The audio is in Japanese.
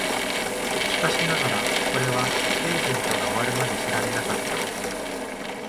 しかしながら、これはページェントが終わるまで知られなかった。